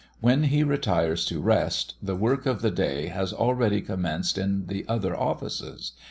When he retires to rest, the work of the day has already commenced in the other offices.